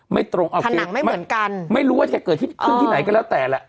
ไม่รู้ว่าจะเกิดขึ้นที่ไหนก็แล้วแต่ละ